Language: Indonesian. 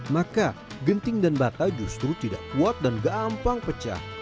maka genting dan bata justru tidak kuat dan gampang pecah